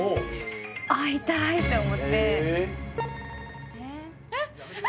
会いたいって思ってえっああ！